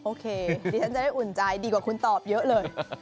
โอเคดิฉันจะได้อุ่นใจดีกว่าคุณตอบเยอะเลย